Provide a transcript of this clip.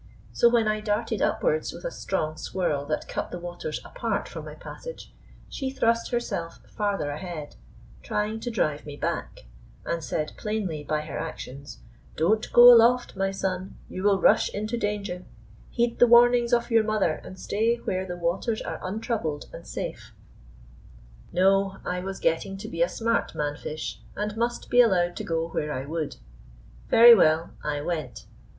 So when I darted upwards with a strong swirl that cut the waters apart for my passage, she thrust herself farther ahead, trying to drive me back, and said plainly by her actions: "Don't go aloft, my son, you will rush into danger; heed the warnings of your mother and stay where the waters are untroubled and safe." No, I was getting to be a smart man fish, and must be allowed to go where I would. Very well, I went.